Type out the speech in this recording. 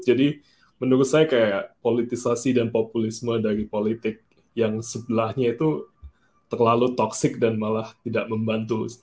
jadi menurut saya kayak politisasi dan populisme dari politik yang sebelahnya itu terlalu toksik dan malah tidak membantu